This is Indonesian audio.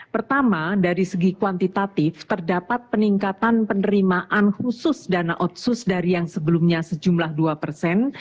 pertama dari segi kuantitatif terdapat peningkatan penerimaan khusus dana otsus dari yang sebelumnya sejumlah dua persen